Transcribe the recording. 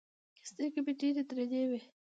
سترګې مې ډېرې درنې وې.